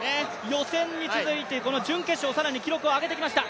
予選に続いて準決勝、更に記録を上げてきました。